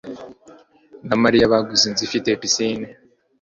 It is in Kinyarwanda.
na Mariya baguze inzu ifite pisine.